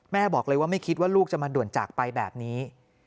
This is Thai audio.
บอกเลยว่าไม่คิดว่าลูกจะมาด่วนจากไปแบบนี้